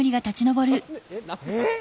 えっ！？